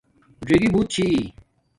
ژَئ گی بوت چھی